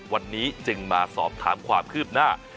วันนี้จึงมาสอบถามความคืบหน้า